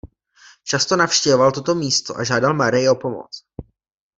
Často navštěvoval toto místo a žádal Marii o pomoc.